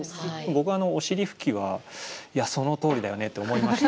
僕、おしりふきはそのとおりだよねって思いました。